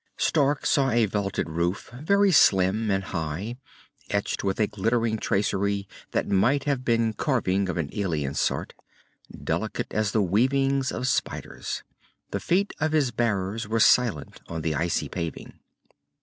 Stark saw a vaulted roof, very slim and high, etched with a glittering tracery that might have been carving of an alien sort, delicate as the weavings of spiders. The feet of his bearers were silent on the icy paving.